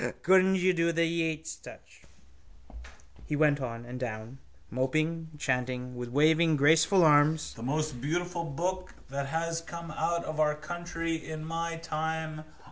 Couldn't you do the Yeats touch? He went on and down, mopping, chanting with waving graceful arms: —The most beautiful book that has come out of our country in my time.